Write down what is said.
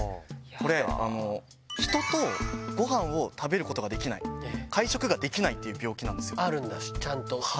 これ、人とごはんを食べることができない、会食ができないっていあるんだ、ちゃんと。